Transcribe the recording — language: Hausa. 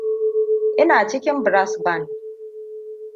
Ina cikin brass band.